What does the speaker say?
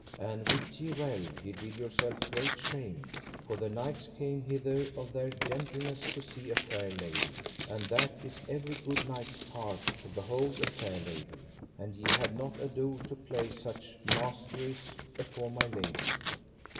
And wit ye well ye did yourself great shame, for the knights came hither of their gentleness to see a fair lady; and that is every good knight's part, to behold a fair lady; and ye had not ado to play such masteries afore my lady.